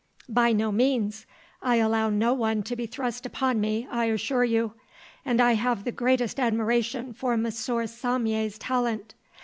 "By no means. I allow no one to be thrust upon me, I assure you. And I have the greatest admiration for M. Saumier's talent.